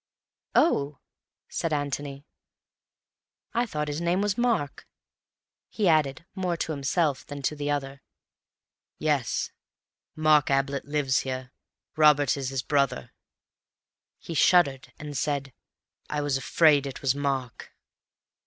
"Oh!" said Antony. "I thought his name was Mark," he added, more to himself than to the other. "Yes, Mark Ablett lives here. Robert is his brother." He shuddered, and said, "I was afraid it was Mark."